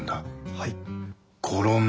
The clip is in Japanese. はい！